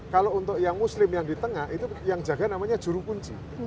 kalau untuk yang muslim yang di tengah itu yang jaga namanya juru kunci